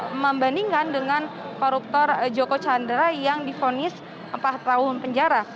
dan rizik syihab juga membandingkan dengan koruptor joko chandra yang difonis empat tahun penjara